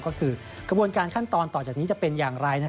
ก็คือกระบวนการขั้นตอนต่อจากนี้จะเป็นอย่างไร